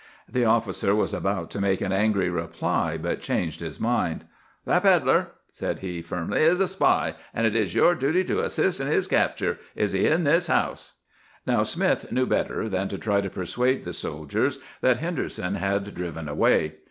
"The officer was about to make an angry reply, but changed his mind. "'That pedler,' said he firmly, 'is a spy; and it is your duty to assist in his capture. Is he in this house?' "Now, Smith knew better than to try to persuade the soldiers that Henderson had driven away.